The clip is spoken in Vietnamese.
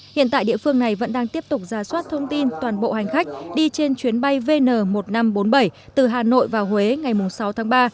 hiện tại địa phương này vẫn đang tiếp tục ra soát thông tin toàn bộ hành khách đi trên chuyến bay vn một nghìn năm trăm bốn mươi bảy từ hà nội vào huế ngày sáu tháng ba